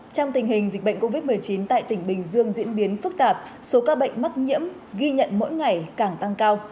trong tình hình dịch bệnh covid một mươi chín tại tỉnh bình dương diễn biến phức tạp số ca bệnh mắc nhiễm ghi nhận mỗi ngày càng tăng cao